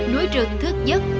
núi rừng thước giấc